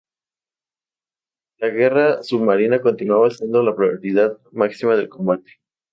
La guerra antisubmarina continuaba siendo la prioridad máxima de combate.